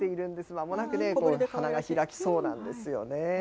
まもなく花が開きそうなんですよね。